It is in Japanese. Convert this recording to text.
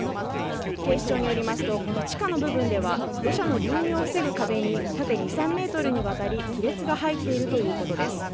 警視庁によりますと地下の部分では土砂の流入を防ぐ壁に縦２３ｍにわたり亀裂が入っているということです。